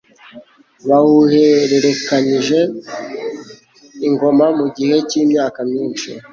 bawuhererekanyije ingoma mu gihe cy'imyaka myishi